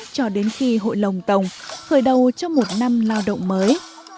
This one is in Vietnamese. cho đến khi hội lồng tồng khởi đầu cho một năm lao động mới